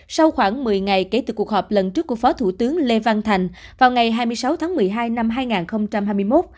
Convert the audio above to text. sau khoảng một mươi ngày kể từ cuộc họp lần trước của phó thủ tướng lê văn thành vào ngày hai mươi sáu tháng một mươi hai năm hai nghìn hai mươi một